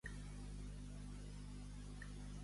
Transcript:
Mira qui dansa, i dansava un poll.